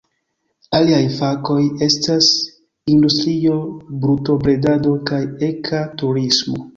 Aliaj fakoj estas industrio, brutobredado kaj eka turismo.